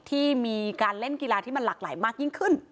ที่มีการเล่นกีฬาที่มันหลากหลายมากยิ่งขึ้น